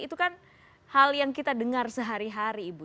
itu kan hal yang kita dengar sehari hari ibu